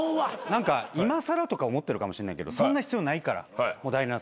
何かいまさらとか思ってるかもしれないけどそんな必要ないから第７世代。